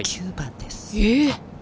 えっ。